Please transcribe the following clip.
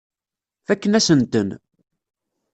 Fakken-asen-ten.